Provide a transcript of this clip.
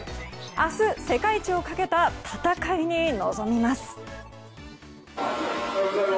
明日、世界一をかけた戦いに臨みます。